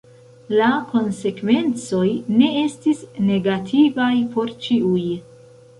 La konsekvencoj ne estis negativaj por ĉiuj.